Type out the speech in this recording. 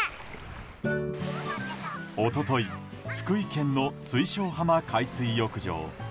一昨日、福井県の水晶浜海水浴場。